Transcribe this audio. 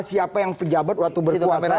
siapa yang pejabat waktu berkuasa